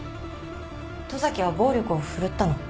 十崎は暴力を振るったの？